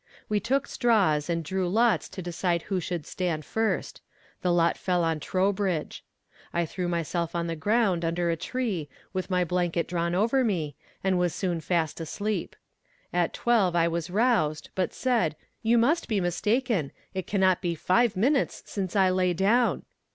We took straws, and drew lots to decide who should stand first. The lot fell on Trowbridge. I threw myself on the ground, under a tree, with my blanket drawn over me, and was soon fast asleep. At twelve I was aroused, but said, 'you must be mistaken; it cannot be five minutes since I lay down.'